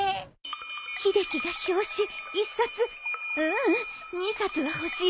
秀樹が表紙１冊ううん２冊は欲しい